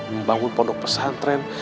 membangun pondok pesantren